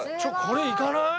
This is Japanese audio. これいかない？